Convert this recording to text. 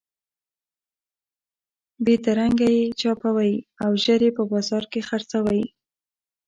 بېدرنګه یې چاپوئ او ژر یې په بازار کې خرڅوئ.